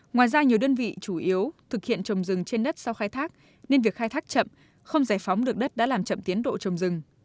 ngoài ra nhiều đơn vị chủ yếu thực hiện trồng rừng trên đất sau khai thác nên việc khai thác chậm không giải phóng được đất đã làm chậm tiến độ trồng rừng